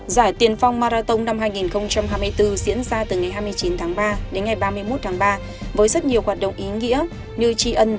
giải tiền phong marathon năm hai nghìn hai mươi bốn diễn ra từ ngày hai mươi chín tháng ba đến ngày ba mươi một tháng ba với rất nhiều hoạt động ý nghĩa như tri ân